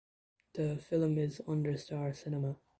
The film is under Star Cinema.